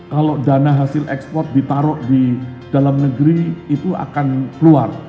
kalau dana hasil ekspor ditaruh di dalam negeri itu akan keluar